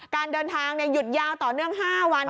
การเดินทางหยุดยาวต่อเนื่อง๕วัน